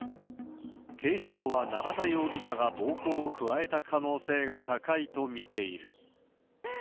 警視庁は永田容疑者が暴行を加えた可能性が高いと見ている。